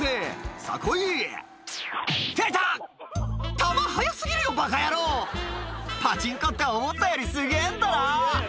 球速過ぎるよバカ野郎」「パチンコって思ったよりすげぇんだな」